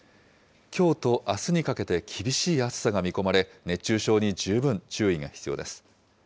きょうとあすにかけて厳しい暑さが見込まれ、熱中症に十分注意が必要です。